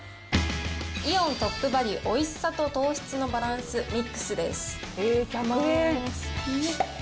イオントップバリュおいしさと糖質のバランスミックスです。